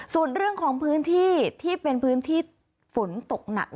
ส่วนเรื่องของพื้นที่ที่เป็นพื้นที่ฝนตกหนัก